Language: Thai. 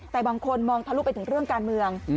แต่บางคนมองทะลุไปถึงเรื่องการเมือง